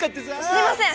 すみません